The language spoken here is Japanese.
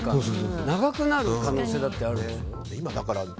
長くなる可能性だってあるからね。